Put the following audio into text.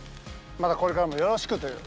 またこれからもよろしくという。